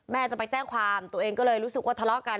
จะไปแจ้งความตัวเองก็เลยรู้สึกว่าทะเลาะกัน